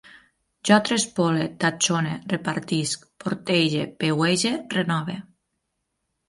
Jo trespole, tatxone, repartisc, portege, peuege, renove